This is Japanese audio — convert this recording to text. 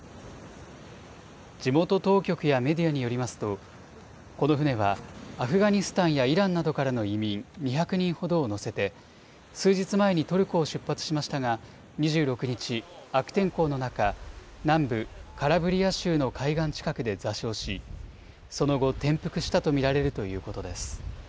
地元当局やメディアによりますとこの船はアフガニスタンやイランなどからの移民２００人ほどを乗せて数日前にトルコを出発しましたが２６日、悪天候の中南部カラブリア州の海岸近くで座礁し、その後、転覆したと見られるということです。